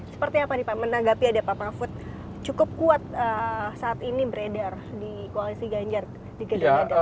seperti apa nih pak menanggapi ada pak mahfud cukup kuat saat ini beredar di koalisi ganjar di gedung gedung